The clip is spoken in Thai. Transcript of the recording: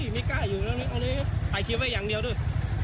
มึงไปกุมเครื่องยนต์